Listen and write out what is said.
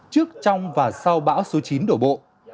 trước trong và sau bão số chín đổ bộ